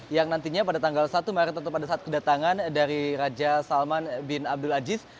yang nantinya pada tanggal satu maret atau pada saat kedatangan dari raja salman bin abdul aziz